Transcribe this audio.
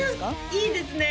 いいですね